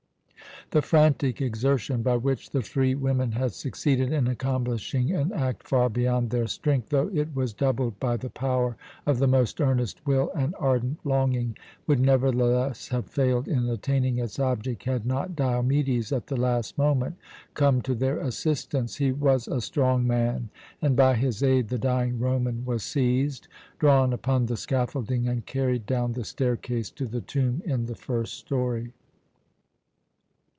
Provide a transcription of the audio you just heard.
The frantic exertion by which the three women had succeeded in accomplishing an act far beyond their strength, though it was doubled by the power of the most earnest will and ardent longing, would nevertheless have failed in attaining its object had not Diomedes, at the last moment, come to their assistance. He was a strong man, and by his aid the dying Roman was seized, drawn upon the scaffolding, and carried down the staircase to the tomb in the first story.